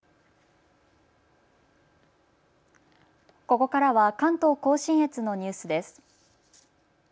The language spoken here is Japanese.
ここからは関東甲信越のニュースです。